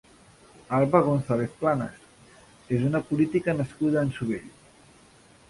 Alba Gonzàlez Planas és una política nascuda a Ansovell.